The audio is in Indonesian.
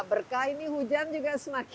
berkah ini hujan juga semakin